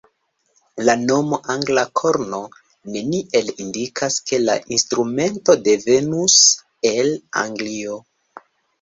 La nomo "angla korno" neniel indikas, ke la instrumento devenus el Anglio.